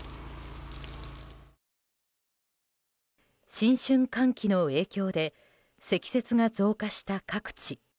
新春寒気の影響で積雪が増加した各地。